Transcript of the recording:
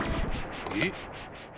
えっ！